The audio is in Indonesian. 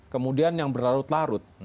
kemudian yang berlarut larut